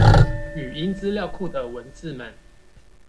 語音資料庫的文字們